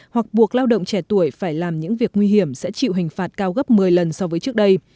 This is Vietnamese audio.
hoặc buộc lao động trẻ tuổi phải làm những việc nguy hiểm sẽ chịu hình phạt cao gấp một mươi lần so với trước đây